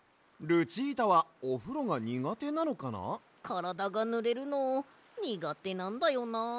からだがぬれるのにがてなんだよな。